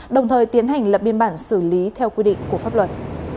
đồng thời tiến hành lập biên bản xử lý theo quy định của pháp luật